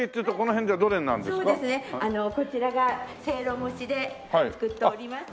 そうですねこちらがせいろ蒸しで作っております。